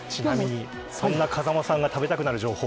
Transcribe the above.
そんな風間さんが食べたくなる情報。